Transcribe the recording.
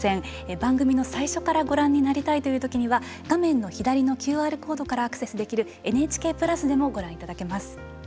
番組の最初からご覧になりたいというときには画面の左のＱＲコードからアクセスできるＮＨＫプラスでもご覧いただけます。